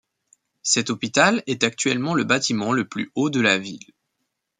Cet hôpital est actuellement le bâtiment le plus haut de la ville.